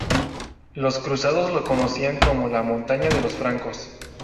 Los cruzados lo conocían como la "Montaña de los Francos".